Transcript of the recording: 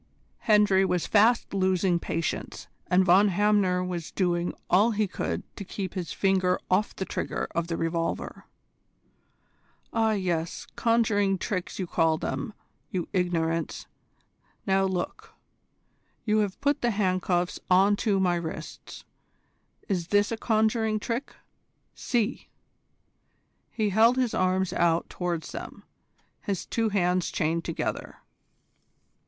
Hendry was fast losing patience, and Von Hamner was doing all he could to keep his finger off the trigger of the revolver. "Ah yes, conjuring tricks you call them, you ignorants! Now look. You have put the handcuffs on to my wrists. Is this a conjuring trick? See!" He held his arms out towards them, his two hands chained together.